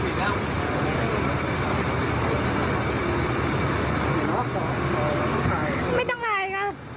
ไม่ให้หนูไปก็ไม่ต้องไหล